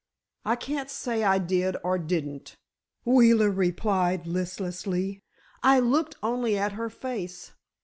"I can't say I did or didn't," Wheeler replied, listlessly. "I looked only at her face.